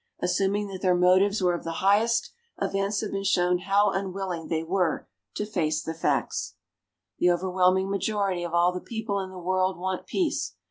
Assuming that their motives were of the highest, events have shown how unwilling they were to face the facts. The overwhelming majority of all the people in the world want peace.